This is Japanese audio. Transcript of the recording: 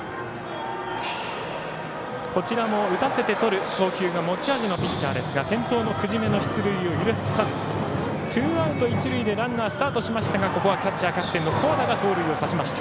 こちらも打たせてとる投球が持ち味のピッチャーですが先頭の久次米の出塁を許さずツーアウト、一塁でランナー、スタートしましたがここはキャッチャー、キャプテン古和田が盗塁をさしました。